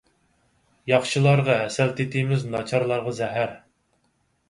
ياخشىلارغا ھەسەل تېتىيمىز، ناچارلارغا زەھەر!